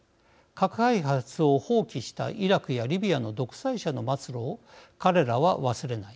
核開発を放棄したイラクやリビアの独裁者の末路を彼らは忘れない。